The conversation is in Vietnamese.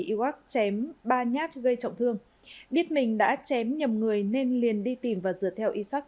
iwak chém ba nhát gây trọng thương biết mình đã chém nhầm người nên liền đi tìm và dựa theo isak